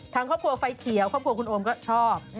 ทางครอบครัวไฟเขียวครอบครัวคุณโอมก็ชอบ